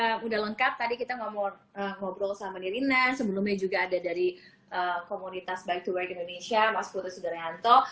berarti udah lengkap tadi kita ngobrol sama rina sebelumnya juga ada dari komunitas back to work indonesia mas putri sudaryanto